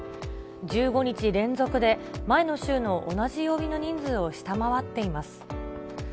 １５日連続で前の週の同じ曜日の人数を下回っています。